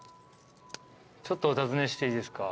ちょっとお尋ねしていいですか？